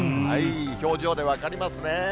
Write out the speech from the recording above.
表情で分かりますね。